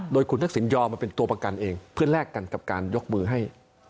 โดยคุณทักษิณยอมมาเป็นตัวประกันเองเพื่อแลกกันกับการยกมือให้